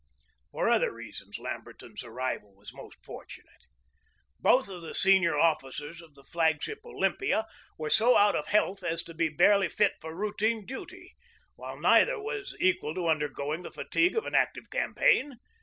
For other reasons Lamberton's arrival was most fortunate. Both of the senior officers of the flag ship Olympia were so out of health as to be barely fit for routine duty, while neither was equal to undergoing the fatigue of an active campaign.